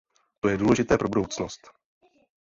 To je důležité pro budoucnost.